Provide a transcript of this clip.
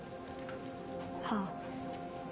はあ。